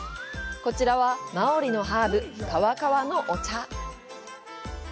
こちらは、マオリのハーブ「カワカワ」のお茶。